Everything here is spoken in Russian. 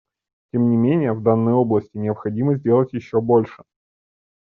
Тем не менее в данной области необходимо сделать еще больше.